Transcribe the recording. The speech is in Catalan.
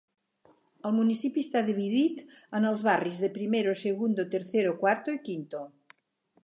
El municipi està dividit en els barris de Primero, Segundo, Tercero, Cuarto i Quinto.